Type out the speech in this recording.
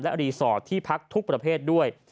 และรีสอร์ทที่พักทุกประเภทด้วย